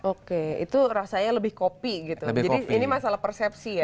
oke itu rasanya lebih kopi gitu jadi ini masalah persepsi ya